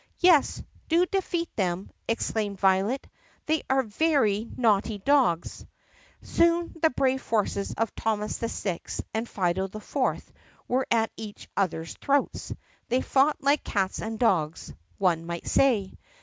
"Yes, do defeat them!" exclaimed Violet. "They are very naughty dogs." Soon the brave forces of Thomas VI and Fido IV were at each other's throats. They fought like cats and dogs, one might say.